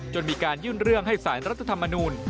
จนมีการยื่นเรื่องให้สารรัฐธรรมนูล